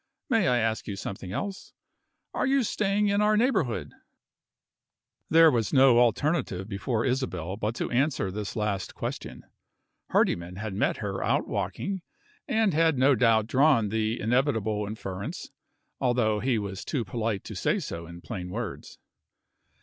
May I ask you something else? Are you staying in our neighborhood?" There was no alternative before Isabel but to answer this last question. Hardyman had met her out walking, and had no doubt drawn the inevitable inference although he was too polite to say so in plain words.